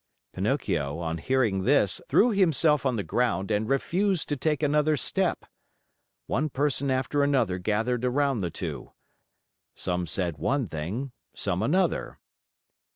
Pinocchio, on hearing this, threw himself on the ground and refused to take another step. One person after another gathered around the two. Some said one thing, some another.